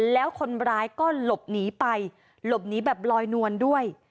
แล้วคนร้ายก็หลบหนีไปหลบหนีแบบลอยนวลด้วย